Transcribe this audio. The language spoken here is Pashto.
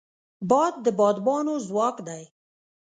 باد د بادبانو ځواک دی